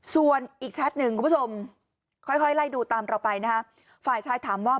ส่วนอีกแชทหนึ่งคุณผู้ชมค่อยค่อยไล่ดูตามเราไปนะฮะฝ่ายชายถามว่า